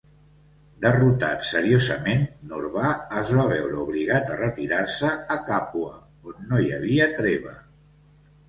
Derrotat seriosament, Norbà es va veure obligat a retirar-se a Càpua, on no hi havia treva.